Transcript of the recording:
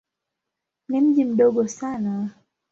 Ni mji mdogo sana.